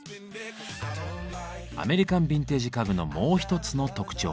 アメリカンビンテージ家具のもう一つの特徴。